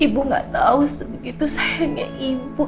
ibu gak tau segitu sayangnya ibu